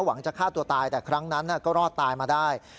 หวังจะฆ่าตัวตายแต่ครั้งนั้นก็รอดตายมาได้